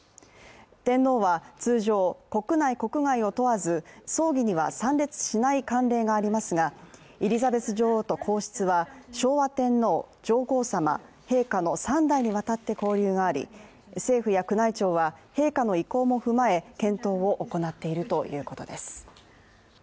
天皇は通常、国内、国外を問わず葬儀には参列しない慣例がありますがエリザベス女王と皇室は昭和天皇、上皇さま、陛下の３代にわたって交流があり政府や宮内庁は、陛下の意向も踏まえ検討を行っているということです。